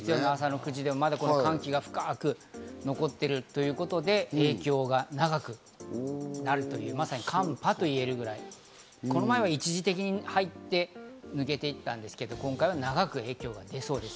まだ寒気が深く残っているということで影響が長くなる、まさに寒波と言えるぐらい、この前は一時的に入って抜けていったんですけど、今回は長く影響が出そうです。